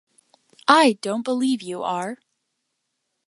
I don't believe you are!